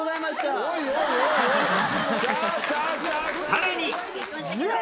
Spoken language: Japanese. さらに。